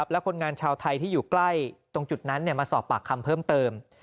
และคนงานชาวไทยที่อยู่ใกล้ตรงจุดนั้นมาสอบปากคำเพิ่มเติม